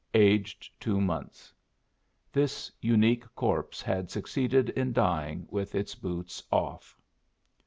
Aged two months." This unique corpse had succeeded in dying with its boots off.